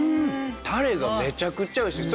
タレがめちゃくちゃおいしい。